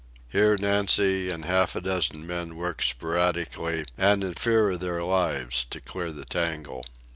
Here Nancy and half a dozen men worked sporadically, and in fear of their lives, to clear the tangle.